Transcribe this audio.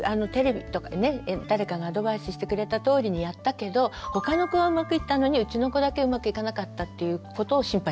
誰かがアドバイスしてくれたとおりにやったけど他の子はうまくいったのにうちの子だけうまくいかなかったっていうことを心配します。